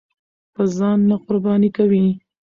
به ځان نه قرباني کوئ!